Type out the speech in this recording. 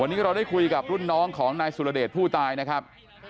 วันนี้เราได้คุยกับรุ่นน้องของนายสุรเดชผู้ตายนะครับ